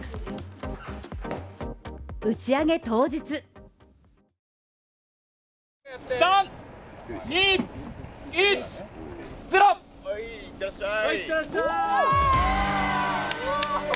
打ち上げ当日いってらっしゃい！